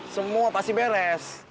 semua pasti beres